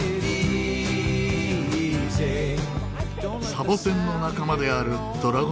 サボテンの仲間であるドラゴンフルーツ。